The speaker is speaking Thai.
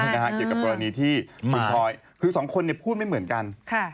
เรื่องกับคุณพรอย๒คนพูดไม่เหมือนกัน